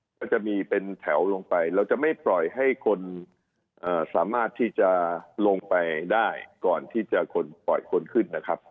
ก็จะมีเป็นแถวลงไปเราจะไม่ปล่อยให้คนสามารถที่จะลงไปได้ก่อนที่จะคนปล่อยคนขึ้นนะครับ